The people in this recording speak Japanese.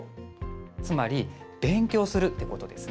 つまり勉強するということです。